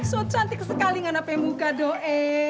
so cantik sekali ngana pake muka do'e